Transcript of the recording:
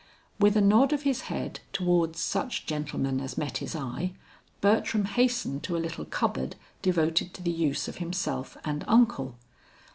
With a nod of his head towards such gentlemen as met his eye, Bertram hastened to a little cupboard devoted to the use of himself and uncle.